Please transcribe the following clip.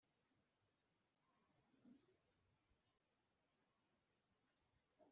Vuga ijambo mu Cyongereza.